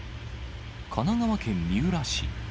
神奈川県三浦市。